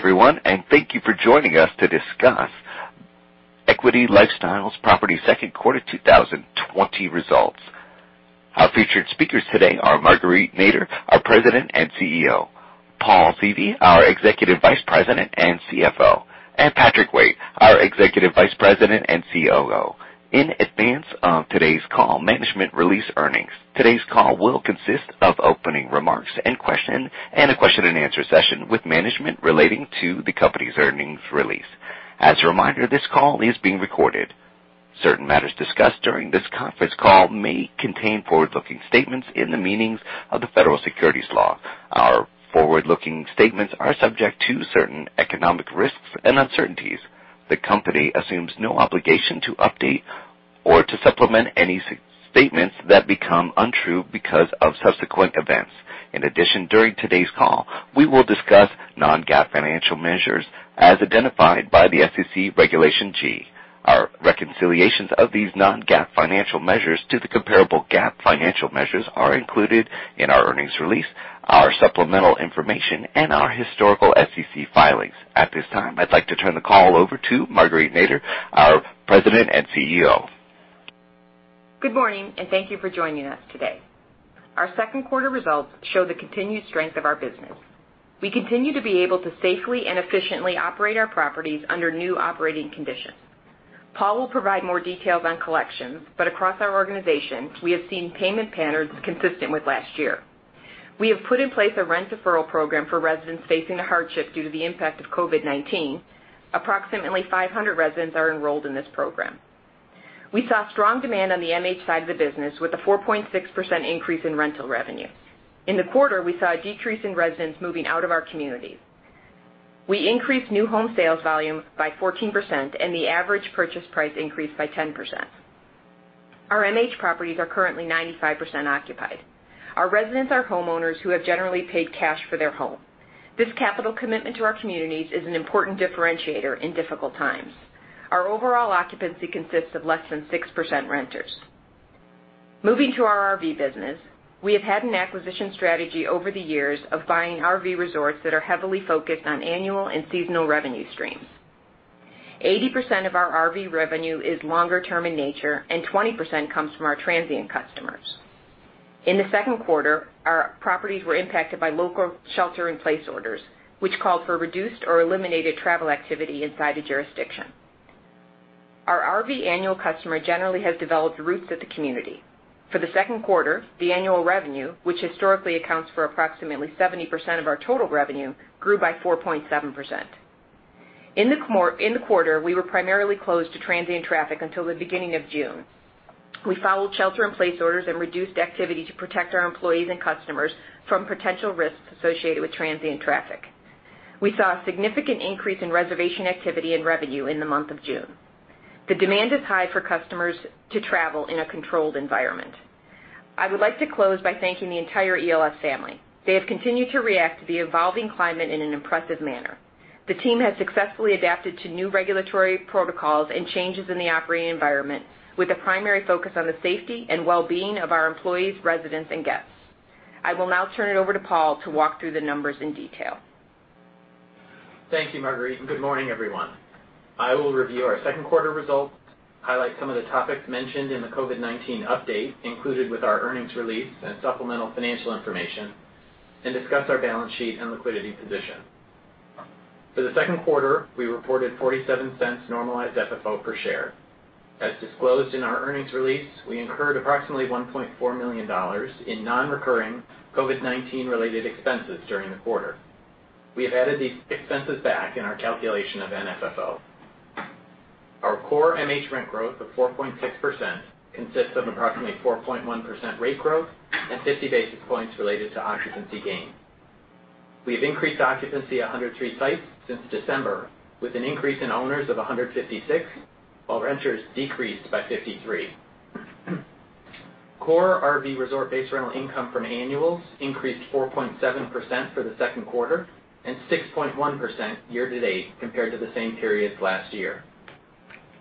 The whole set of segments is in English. Good day everyone, thank you for joining us to discuss Equity LifeStyle Properties second quarter 2020 results. Our featured speakers today are Marguerite Nader, our President and CEO, Paul Seavey, our Executive Vice President and CFO, and Patrick Waite, our Executive Vice President and COO. In advance of today's call, management released earnings. Today's call will consist of opening remarks and a question and answer session with management relating to the company's earnings release. As a reminder, this call is being recorded. Certain matters discussed during this conference call may contain forward-looking statements in the meanings of the federal securities laws. Our forward-looking statements are subject to certain economic risks and uncertainties. The company assumes no obligation to update or to supplement any statements that become untrue because of subsequent events. During today's call, we will discuss non-GAAP financial measures as identified by the SEC Regulation G. Our reconciliations of these non-GAAP financial measures to the comparable GAAP financial measures are included in our earnings release, our supplemental information, and our historical SEC filings. At this time, I'd like to turn the call over to Marguerite Nader, our President and CEO. Good morning, thank you for joining us today. Our second quarter results show the continued strength of our business. We continue to be able to safely and efficiently operate our properties under new operating conditions. Paul will provide more details on collections, but across our organization, we have seen payment patterns consistent with last year. We have put in place a rent deferral program for residents facing a hardship due to the impact of COVID-19. Approximately 500 residents are enrolled in this program. We saw strong demand on the MH side of the business with a 4.6% increase in rental revenue. In the quarter, we saw a decrease in residents moving out of our communities. We increased new home sales volume by 14%, and the average purchase price increased by 10%. Our MH properties are currently 95% occupied. Our residents are homeowners who have generally paid cash for their home. This capital commitment to our communities is an important differentiator in difficult times. Our overall occupancy consists of less than 6% renters. Moving to our RV business, we have had an acquisition strategy over the years of buying RV resorts that are heavily focused on annual and seasonal revenue streams. 80% of our RV revenue is longer term in nature and 20% comes from our transient customers. In the second quarter, our properties were impacted by local shelter-in-place orders, which called for reduced or eliminated travel activity inside a jurisdiction. Our RV annual customer generally has developed roots at the community. For the second quarter, the annual revenue, which historically accounts for approximately 70% of our total revenue, grew by 4.7%. In the quarter, we were primarily closed to transient traffic until the beginning of June. We followed shelter-in-place orders and reduced activity to protect our employees and customers from potential risks associated with transient traffic. We saw a significant increase in reservation activity and revenue in the month of June. The demand is high for customers to travel in a controlled environment. I would like to close by thanking the entire ELS family. They have continued to react to the evolving climate in an impressive manner. The team has successfully adapted to new regulatory protocols and changes in the operating environment with a primary focus on the safety and well-being of our employees, residents, and guests. I will now turn it over to Paul to walk through the numbers in detail. Thank you, Marguerite, and good morning, everyone. I will review our second quarter results, highlight some of the topics mentioned in the COVID-19 update included with our earnings release and supplemental financial information, and discuss our balance sheet and liquidity position. For the second quarter, we reported $0.47 normalized FFO per share. As disclosed in our earnings release, we incurred approximately $1.4 million in non-recurring COVID-19-related expenses during the quarter. We have added these expenses back in our calculation of NFFO. Our core MH rent growth of 4.6% consists of approximately 4.1% rate growth and 50 basis points related to occupancy gain. We have increased occupancy 103 sites since December with an increase in owners of 156, while renters decreased by 53. Core RV resort base rental income from annuals increased 4.7% for the second quarter and 6.1% year to date compared to the same period last year.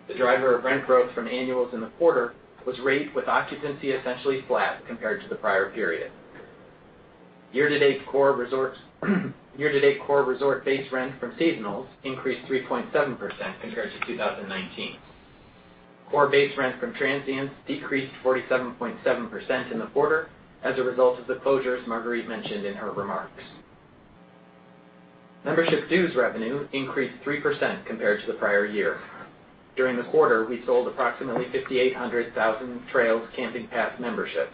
The driver of rent growth from annuals in the quarter was rate with occupancy essentially flat compared to the prior period. Year to date core resort base rent from seasonals increased 3.7% compared to 2019. Core base rent from transients decreased 47.7% in the quarter as a result of the closures Marguerite mentioned in her remarks. Membership dues revenue increased 3% compared to the prior year. During the quarter, we sold approximately 5,800 Thousand Trails Camping Pass memberships.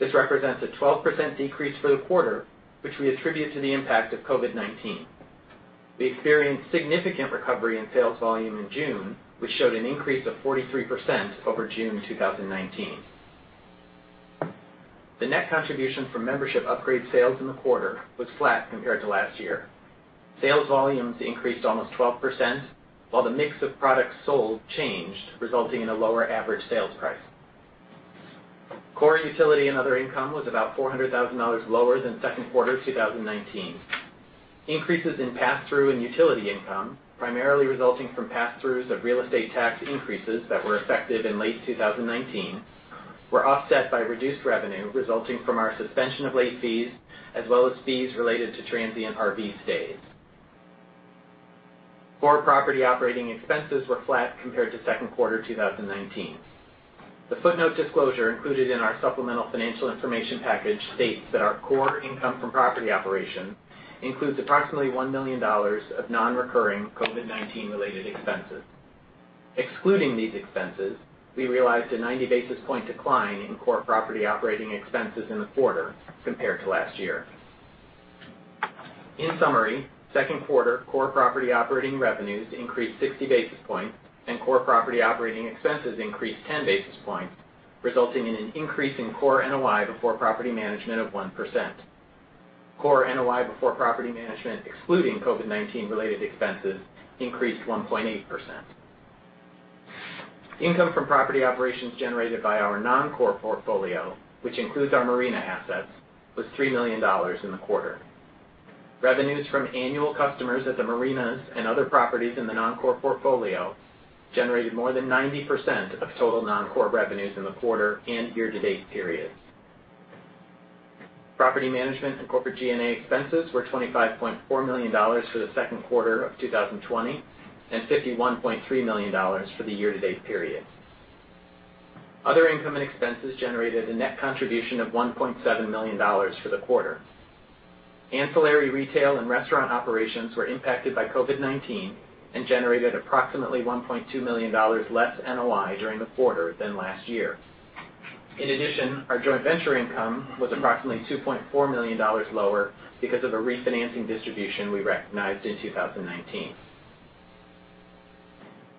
This represents a 12% decrease for the quarter, which we attribute to the impact of COVID-19. We experienced significant recovery in sales volume in June, which showed an increase of 43% over June 2019. The net contribution from membership upgrade sales in the quarter was flat compared to last year. Sales volumes increased almost 12%, while the mix of products sold changed, resulting in a lower average sales price. Core utility and other income was about $400,000 lower than second quarter 2019. Increases in pass-through and utility income, primarily resulting from pass-throughs of real estate tax increases that were effective in late 2019 were offset by reduced revenue resulting from our suspension of late fees as well as fees related to transient RV stays. Core property operating expenses were flat compared to second quarter 2019. The footnote disclosure included in our supplemental financial information package states that our core income from property operation includes approximately $1 million of non-recurring COVID-19 related expenses. Excluding these expenses, we realized a 90-basis-point decline in core property operating expenses in the quarter compared to last year. In summary, second quarter core property operating revenues increased 60 basis points, and core property operating expenses increased 10 basis points, resulting in an increase in core NOI before property management of 1%. Core NOI before property management, excluding COVID-19 related expenses, increased 1.8%. Income from property operations generated by our non-core portfolio, which includes our marina assets, was $3 million in the quarter. Revenues from annual customers at the marinas and other properties in the non-core portfolio generated more than 90% of total non-core revenues in the quarter and year-to-date periods. Property management and corporate G&A expenses were $25.4 million for the second quarter of 2020 and $51.3 million for the year-to-date period. Other income and expenses generated a net contribution of $1.7 million for the quarter. Ancillary retail and restaurant operations were impacted by COVID-19 and generated approximately $1.2 million less NOI during the quarter than last year. In addition, our joint venture income was approximately $2.4 million lower because of a refinancing distribution we recognized in 2019.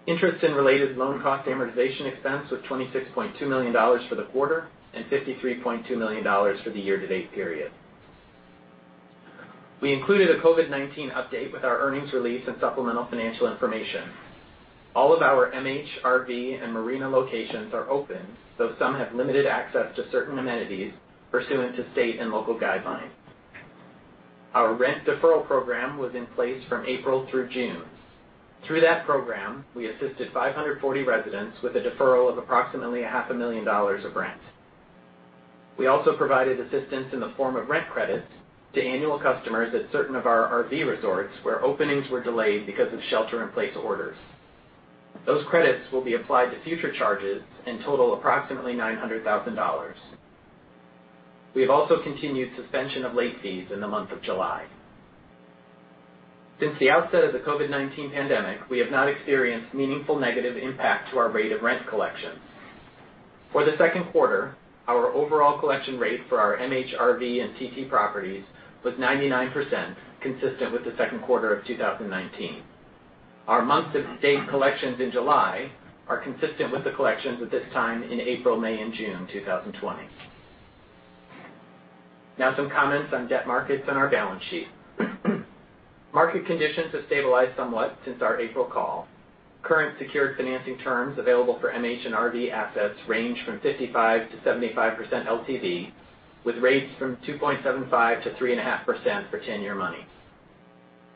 Interest and related loan cost amortization expense was $26.2 million for the quarter and $53.2 million for the year-to-date period. We included a COVID-19 update with our earnings release and supplemental financial information. All of our MH, RV, and marina locations are open, though some have limited access to certain amenities pursuant to state and local guidelines. Our rent deferral program was in place from April through June. Through that program, we assisted 540 residents with a deferral of approximately $500,000 of rent. We also provided assistance in the form of rent credits to annual customers at certain of our RV resorts where openings were delayed because of shelter-in-place orders. Those credits will be applied to future charges and total approximately $900,000. We have also continued suspension of late fees in the month of July. Since the outset of the COVID-19 pandemic, we have not experienced meaningful negative impact to our rate of rent collections. For the second quarter, our overall collection rate for our MH, RV, and TT properties was 99%, consistent with the second quarter of 2019. Our month-to-date collections in July are consistent with the collections at this time in April, May, and June 2020. Now some comments on debt markets and our balance sheet. Market conditions have stabilized somewhat since our April call. Current secured financing terms available for MH and RV assets range from 55%-75% LTV, with rates from 2.75%-3.5% for 10-year money.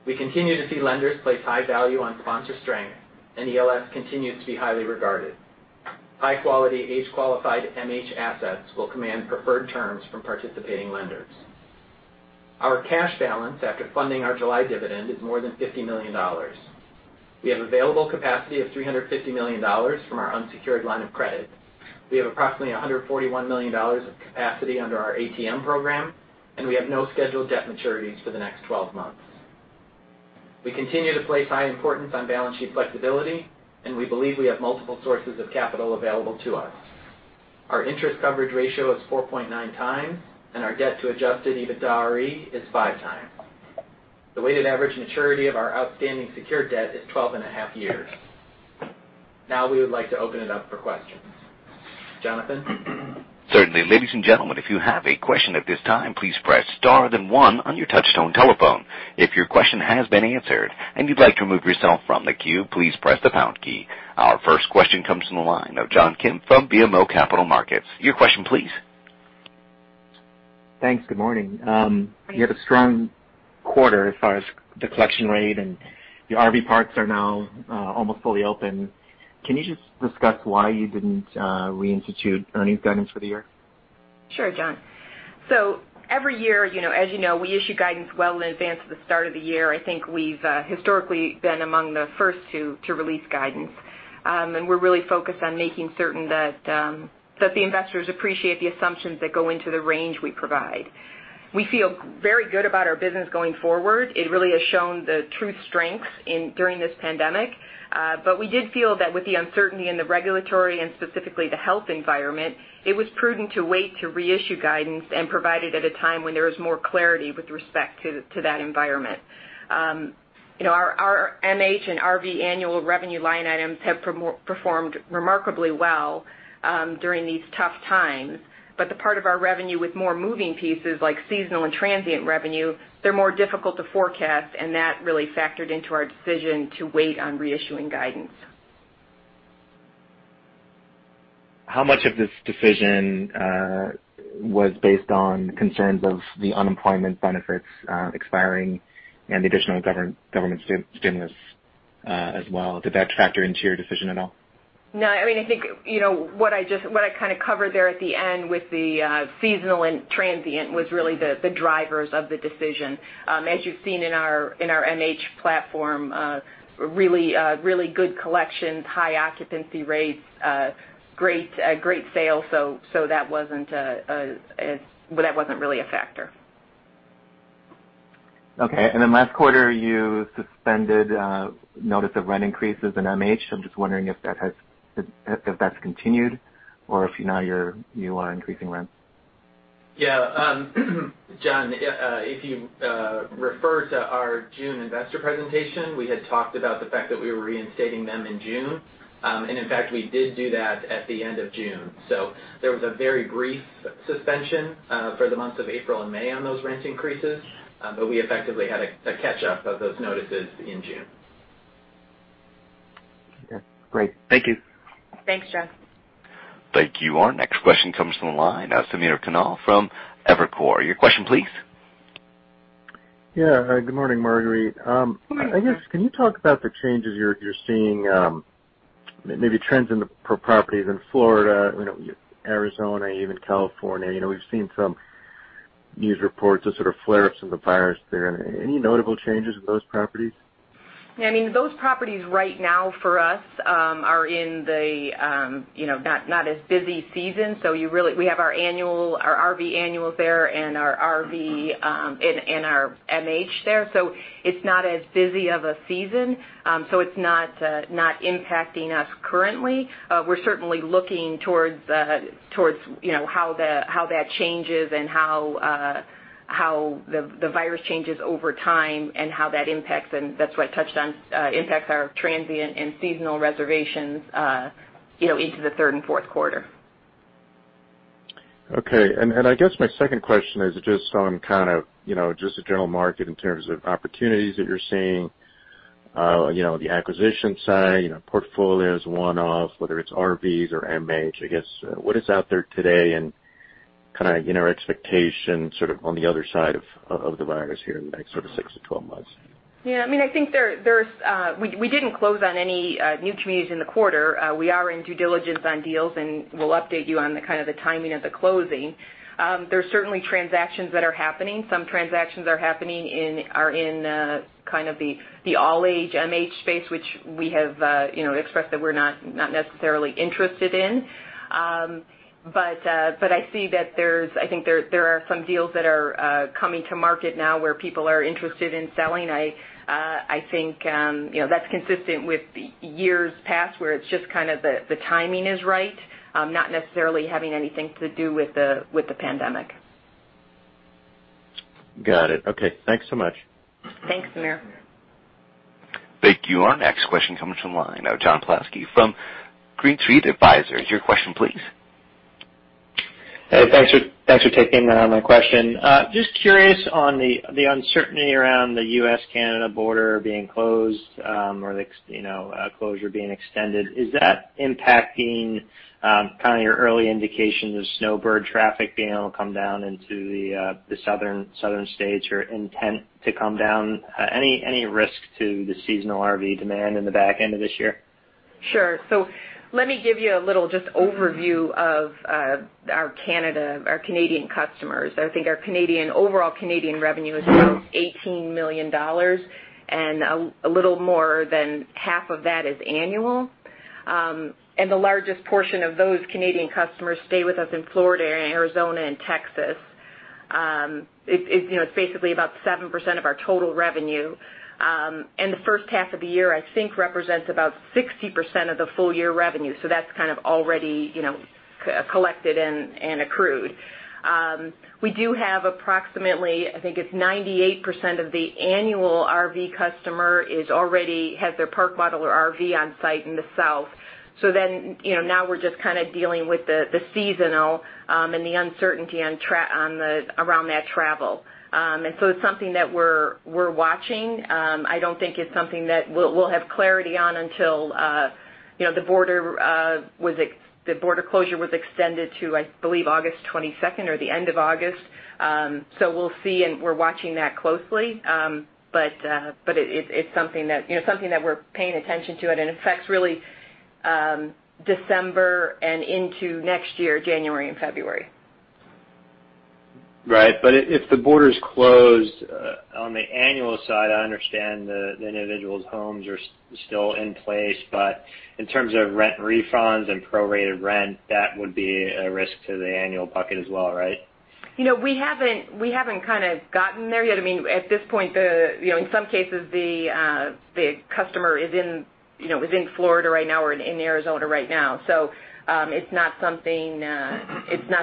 We continue to see lenders place high value on sponsor strength, and ELS continues to be highly regarded. High-quality, age-qualified MH assets will command preferred terms from participating lenders. Our cash balance after funding our July dividend is more than $50 million. We have available capacity of $350 million from our unsecured line of credit. We have approximately $141 million of capacity under our ATM program, and we have no scheduled debt maturities for the next 12 months. We continue to place high importance on balance sheet flexibility, and we believe we have multiple sources of capital available to us. Our interest coverage ratio is 4.9 times, and our debt to adjusted EBITDARE is five times. The weighted average maturity of our outstanding secured debt is 12.5 years. Now we would like to open it up for questions. Jonathan? Certainly. Ladies and gentlemen, if you have a question at this time, please press star then one on your touchtone telephone. If your question has been answered and you'd like to remove yourself from the queue, please press the pound key. Our first question comes from the line of John Kim from BMO Capital Markets. Your question please. Thanks. Good morning. Thanks. You had a strong quarter as far as the collection rate, and your RV parks are now almost fully open. Can you just discuss why you didn't reinstitute earnings guidance for the year? Sure, John. Every year, as you know, we issue guidance well in advance of the start of the year. I think we've historically been among the first to release guidance. We're really focused on making certain that the investors appreciate the assumptions that go into the range we provide. We feel very good about our business going forward. It really has shown the true strengths during this pandemic. We did feel that with the uncertainty in the regulatory and specifically the health environment, it was prudent to wait to reissue guidance and provide it at a time when there is more clarity with respect to that environment. Our MH and RV annual revenue line items have performed remarkably well during these tough times. The part of our revenue with more moving pieces like seasonal and transient revenue, they're more difficult to forecast, and that really factored into our decision to wait on reissuing guidance. How much of this decision was based on concerns of the unemployment benefits expiring and the additional government stimulus as well. Did that factor into your decision at all? No. I think what I covered there at the end with the seasonal and transient was really the drivers of the decision. As you've seen in our MH platform, really good collections, high occupancy rates, great sales. That wasn't really a factor. Okay. Last quarter, you suspended notice of rent increases in MH, I'm just wondering if that's continued or if now you are increasing rents? Yeah. John, if you refer to our June investor presentation, we had talked about the fact that we were reinstating them in June. In fact, we did do that at the end of June. There was a very brief suspension for the months of April and May on those rent increases, but we effectively had a catch up of those notices in June. Okay, great. Thank you. Thanks, John. Thank you. Our next question comes from the line of Samir Khanal from Evercore. Your question, please. Yeah. Good morning, Marguerite. Good morning. I guess, can you talk about the changes you're seeing, maybe trends in the properties in Florida, Arizona, even California? We've seen some news reports of sort of flare-ups of the virus there. Any notable changes in those properties? Those properties right now for us are in the not as busy season. We have our RV annuals there and our RV and our MH there. It's not as busy of a season, so it's not impacting us currently. We're certainly looking towards how that changes and how the virus changes over time and how that impacts, and that's what I touched on, impacts our transient and seasonal reservations into the third and fourth quarter. Okay. I guess my second question is just on kind of just the general market in terms of opportunities that you're seeing, the acquisition side, portfolios, one-off, whether it's RVs or MH, I guess? What is out there today and kind of expectation sort of on the other side of the virus here in the next sort of six to 12 months? Yeah. We didn't close on any new communities in the quarter. We are in due diligence on deals, and we'll update you on the kind of the timing of the closing. There's certainly transactions that are happening. Some transactions are happening in kind of the all-age MH space, which we have expressed that we're not necessarily interested in. I see that there are some deals that are coming to market now where people are interested in selling. I think that's consistent with years past where it's just kind of the timing is right, not necessarily having anything to do with the pandemic. Got it. Okay. Thanks so much. Thanks, Samir. Thank you. Our next question comes from the line of John Pawlowski from Green Street Advisors. Your question, please. Hey, thanks for taking my question. Just curious on the uncertainty around the U.S.-Canada border being closed, or the closure being extended. Is that impacting kind of your early indications of snowbird traffic being able to come down into the Southern states or intent to come down? Any risk to the seasonal RV demand in the back end of this year? Sure. Let me give you a little just overview of our Canadian customers. I think our overall Canadian revenue is about $18 million, and a little more than half of that is annual. The largest portion of those Canadian customers stay with us in Florida and Arizona and Texas. It's basically about 7% of our total revenue. The first half of the year, I think, represents about 60% of the full year revenue. That's kind of already collected and accrued. We do have approximately, I think it's 98% of the annual RV customer already has their park model or RV on site in the South. Now we're just kind of dealing with the seasonal, and the uncertainty around that travel. It's something that we're watching. I don't think it's something that we'll have clarity on until the border closure was extended to, I believe, August 22nd or the end of August. We'll see, and we're watching that closely. It's something that we're paying attention to, and it affects really December and into next year, January and February. Right. If the border's closed on the annual side, I understand the individuals' homes are still in place. In terms of rent refunds and prorated rent, that would be a risk to the annual bucket as well, right? We haven't kind of gotten there yet. At this point, in some cases, the customer is in Florida right now or in Arizona right now. It's not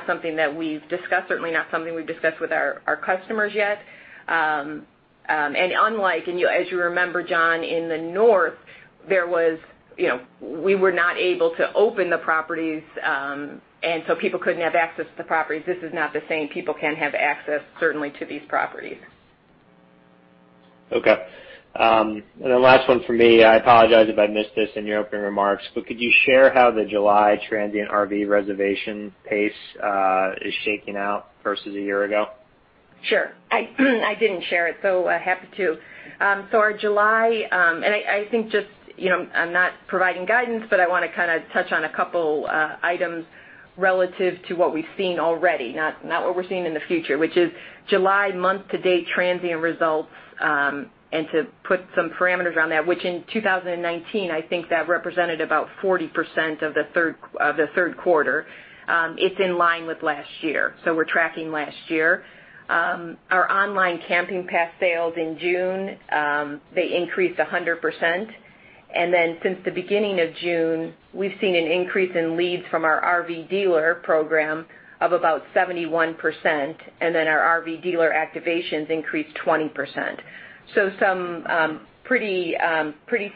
something that we've discussed, certainly not something we've discussed with our customers yet. Unlike, as you remember, John, in the north, we were not able to open the properties, and so people couldn't have access to the properties. This is not the same. People can have access, certainly, to these properties. Okay. The last one from me, I apologize if I missed this in your opening remarks, but could you share how the July transient RV reservation pace is shaking out versus a year ago? Sure. I didn't share it, so happy to. Our July, and I think I'm not providing guidance, but I want to touch on a couple items relative to what we've seen already, not what we're seeing in the future, which is July month-to-date transient results, and to put some parameters around that, which in 2019, I think that represented about 40% of the third quarter. It's in line with last year, so we're tracking last year. Our online camping pass sales in June, they increased 100%. Since the beginning of June, we've seen an increase in leads from our RV dealer program of about 71%, and then our RV dealer activations increased 20%. Some pretty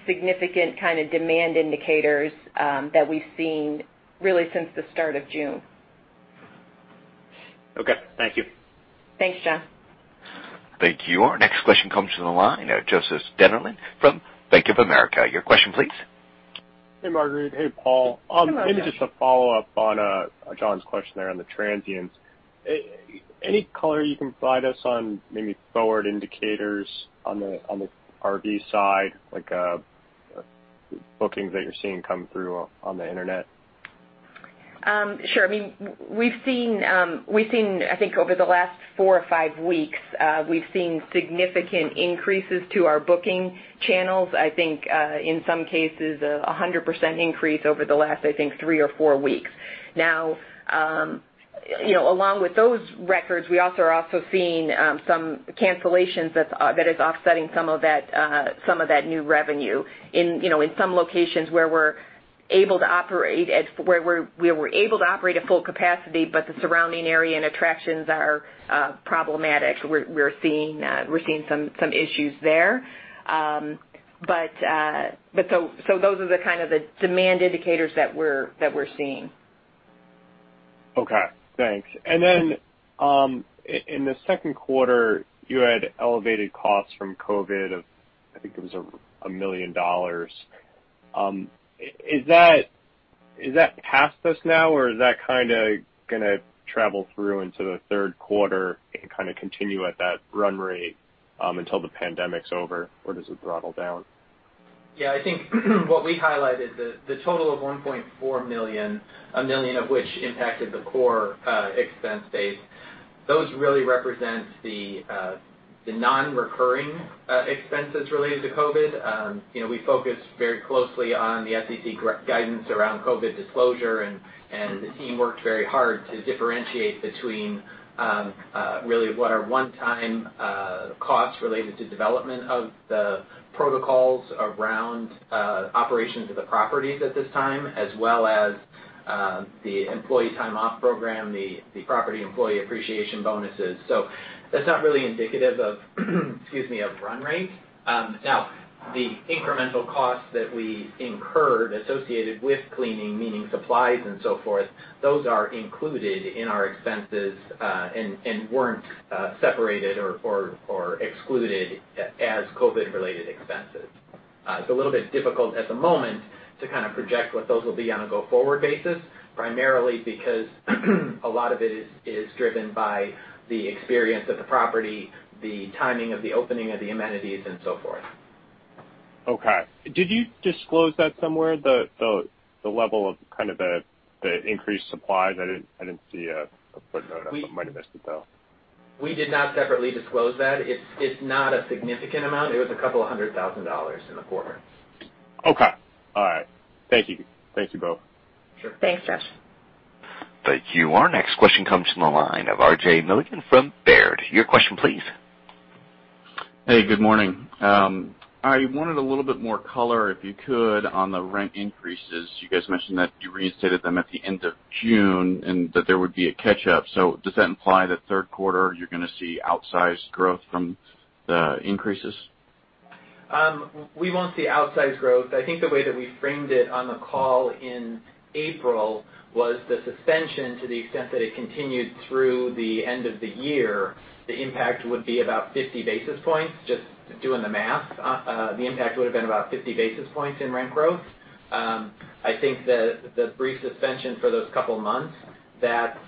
significant demand indicators that we've seen really since the start of June. Okay. Thank you. Thanks, John. Thank you. Our next question comes from the line of Joshua Dennerlein from Bank of America. Your question, please. Hey, Marguerite. Hey, Paul. Hey, Joshua. Maybe just a follow-up on John's question there on the transients. Any color you can provide us on maybe forward indicators on the RV side, like bookings that you're seeing come through on the internet? Sure. I mean, I think over the last four or five weeks, we've seen significant increases to our booking channels. I think, in some cases, a 100% increase over the last, I think, three or four weeks. Along with those records, we also are seeing some cancellations that is offsetting some of that new revenue in some locations where we're able to operate at full capacity, but the surrounding area and attractions are problematic. We're seeing some issues there. Those are the kind of the demand indicators that we're seeing. Okay, thanks. In the second quarter, you had elevated costs from COVID of, I think it was $1 million. Is that past us now, or is that going to travel through into the third quarter and continue at that run rate, until the pandemic's over? Does it throttle down? Yeah, I think what we highlighted, the total of $1.4 million, $1 million of which impacted the core expense base, those really represents the non-recurring expenses related to COVID. We focus very closely on the SEC guidance around COVID disclosure, and the team worked very hard to differentiate between really what are one-time costs related to development of the protocols around operations of the properties at this time, as well as the employee time-off program, the property employee appreciation bonuses. That's not really indicative of, excuse me, a run rate. Now, the incremental costs that we incurred associated with cleaning, meaning supplies and so forth, those are included in our expenses, and weren't separated or excluded as COVID-related expenses. It's a little bit difficult at the moment to project what those will be on a go-forward basis, primarily because a lot of it is driven by the experience of the property, the timing of the opening of the amenities, and so forth. Okay. Did you disclose that somewhere, the level of the increased supplies? I didn't see a footnote. I might've missed it, though. We did not separately disclose that. It's not a significant amount. It was a couple of hundred thousand dollars in the quarter. Okay. All right. Thank you. Thank you both. Sure. Thanks, Joseph. Thank you. Our next question comes from the line of RJ Milligan from Baird. Your question, please. Hey, good morning. I wanted a little bit more color, if you could, on the rent increases. You guys mentioned that you reinstated them at the end of June, and that there would be a catch-up. Does that imply that third quarter, you're going to see outsized growth from the increases? We won't see outsized growth. I think the way that we framed it on the call in April was the suspension, to the extent that it continued through the end of the year, the impact would be about 50 basis points, just doing the math. The impact would've been about 50 basis points in rent growth. I think that the brief suspension for those couple of months, that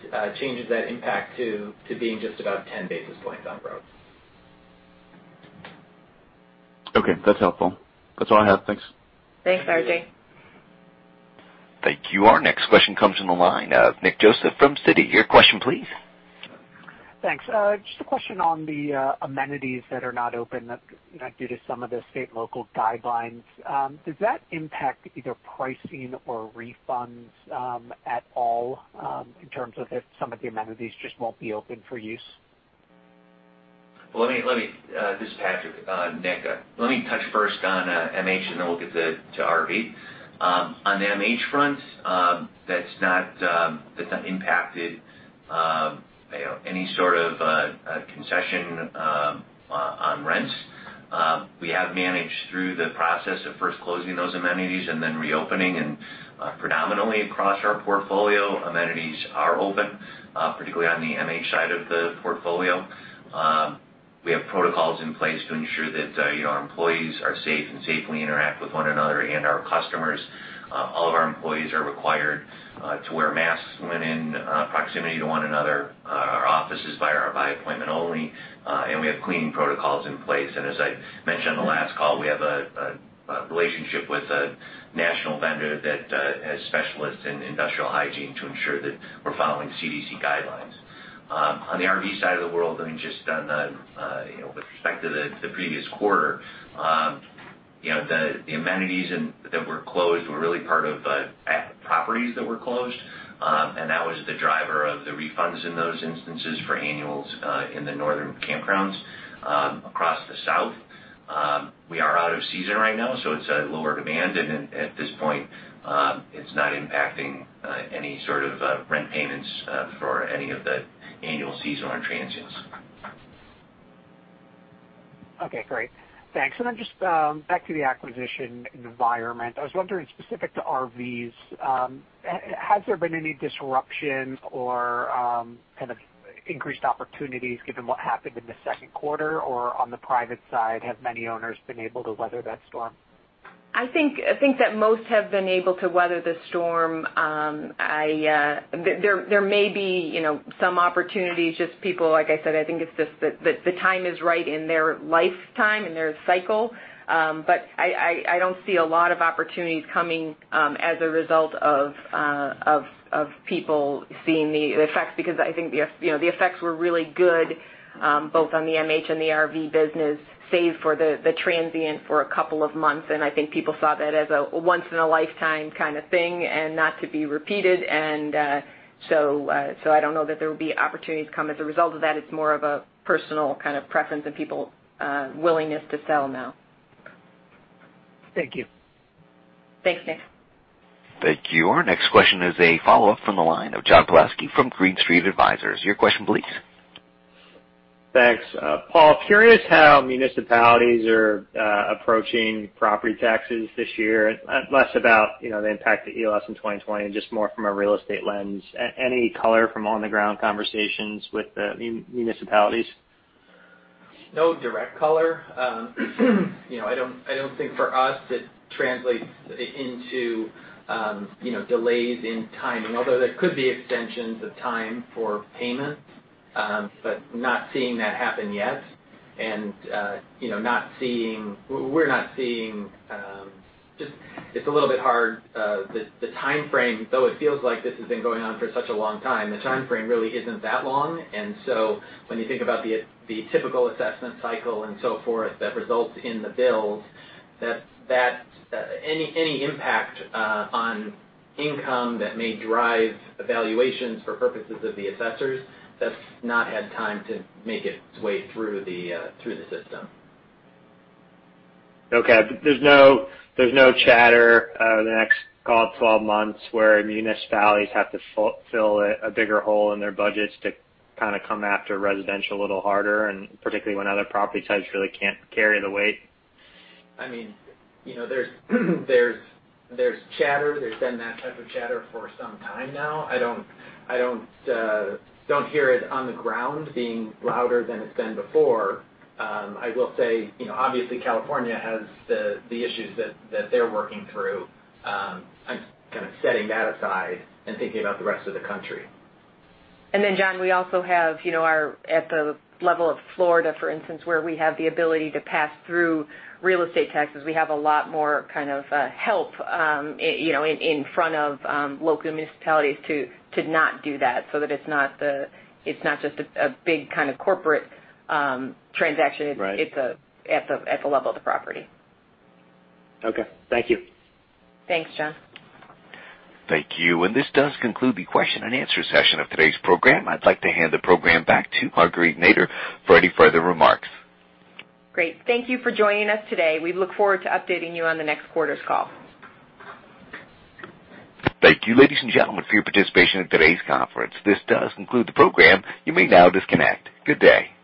changes that impact to being just about 10 basis points on growth. Okay. That's helpful. That's all I have. Thanks. Thanks, R.J. Thank you. Our next question comes from the line of Nick Joseph from Citi. Your question, please. Thanks. Just a question on the amenities that are not open due to some of the state and local guidelines. Does that impact either pricing or refunds at all, in terms of if some of the amenities just won't be open for use? Well, this is Patrick. Nick, let me touch first on MH, and then we'll get to RV. On the MH front, that's not impacted any sort of concession on rents. We have managed through the process of first closing those amenities and then reopening and predominantly across our portfolio, amenities are open, particularly on the MH side of the portfolio. We have protocols in place to ensure that our employees are safe and safely interact with one another and our customers. All of our employees are required to wear masks when in proximity to one another. Our offices are by appointment only, we have cleaning protocols in place. As I mentioned on the last call, we have a relationship with a national vendor that has specialists in industrial hygiene to ensure that we're following CDC guidelines. On the RV side of the world, just with respect to the previous quarter, the amenities that were closed were really part of properties that were closed. That was the driver of the refunds in those instances for annuals in the northern campgrounds. Across the South, we are out of season right now, so it's at lower demand, and at this point, it's not impacting any sort of rent payments for any of the annual, seasonal, or transients. Okay, great. Thanks. Just back to the acquisition environment. I was wondering, specific to RVs, has there been any disruption or kind of increased opportunities given what happened in the second quarter? On the private side, have many owners been able to weather that storm? I think that most have been able to weather the storm. There may be some opportunities, just people, like I said, I think it's just that the time is right in their lifetime, in their cycle. I don't see a lot of opportunities coming as a result of people seeing the effects, because I think the effects were really good, both on the MH and the RV business, save for the transient for a couple of months. I think people saw that as a once in a lifetime kind of thing and not to be repeated. I don't know that there will be opportunities to come as a result of that. It's more of a personal kind of preference and people willingness to sell now. Thank you. Thanks, Nick. Thank you. Our next question is a follow-up from the line of John Pawlowski from Green Street Advisors. Your question, please. Thanks. Paul, curious how municipalities are approaching property taxes this year. Less about the impact to ELS in 2020 and just more from a real estate lens. Any color from on the ground conversations with the municipalities? No direct color. I don't think for us it translates into delays in timing, although there could be extensions of time for payment. Not seeing that happen yet. We're not seeing it's a little bit hard. The timeframe, though it feels like this has been going on for such a long time, the timeframe really isn't that long. When you think about the typical assessment cycle and so forth, that results in the bills, any impact on income that may drive evaluations for purposes of the assessors, that's not had time to make its way through the system. Okay. There's no chatter the next, call it 12 months, where municipalities have to fill a bigger hole in their budgets to kind of come after residential a little harder, and particularly when other property types really can't carry the weight? There's chatter. There's been that type of chatter for some time now. I don't hear it on the ground being louder than it's been before. I will say, obviously California has the issues that they're working through. I'm kind of setting that aside and thinking about the rest of the country. John, we also have at the level of Florida, for instance, where we have the ability to pass through real estate taxes. We have a lot more kind of help in front of local municipalities to not do that, so that it's not just a big kind of corporate transaction. Right. It's at the level of the property. Okay. Thank you. Thanks, John. Thank you. This does conclude the question and answer session of today's program. I'd like to hand the program back to Marguerite Nader for any further remarks. Great. Thank you for joining us today. We look forward to updating you on the next quarter's call. Thank you, ladies and gentlemen, for your participation in today's conference. This does conclude the program. You may now disconnect. Good day.